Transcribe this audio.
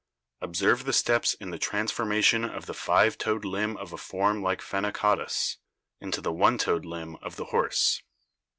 Observe the steps in the transformation of the five toed limb of a form like Phenacodus into the one toed limb of the horse.